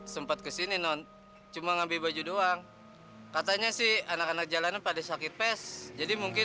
sempat kesini non cuma ngambil baju doang katanya sih anak anak jalanan pada sakit pes jadi mungkin